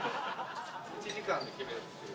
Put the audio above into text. １時間で決めるっていう。